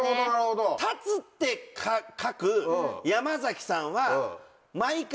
「立つ」って書く山さんは毎回。